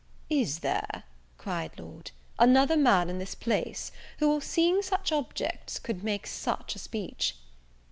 "Is there," cried Lord , "another man in this place, who, seeing such objects, could make such a speech?"